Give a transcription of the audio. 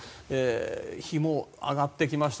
日も上がってきました。